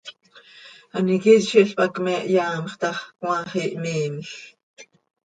An iquitzil pac me hyaamx tax, cmaax ihmiimjc.